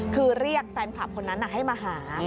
คือเรียกแฟนคลับคนนั้นให้มาหา